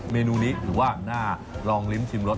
เมนูนี้ถือว่าน่าลองลิ้มชิมรส